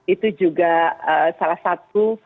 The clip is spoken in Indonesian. itu juga salah satu